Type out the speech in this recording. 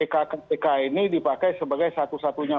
kpk ini dipakai sebagai satu satunya